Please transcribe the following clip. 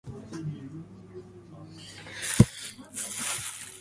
鹿児島県喜界町